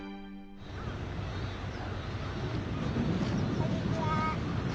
こんにちは。